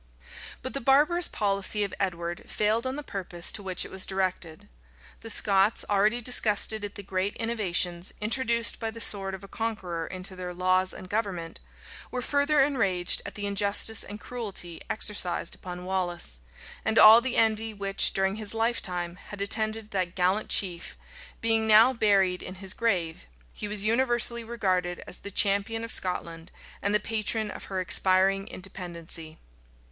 But the barbarous policy of Edward failed of the purpose to which it was directed. The Scots, already disgusted at the great innovations introduced by the sword of a conqueror into their laws and government, were further enraged at the injustice and cruelty exercised upon Wallace; and all the envy which, during his lifetime, had attended that gallant chief, being now buried in his grave, he was universally regarded as the champion of Scotland and the patron of her expiring independency.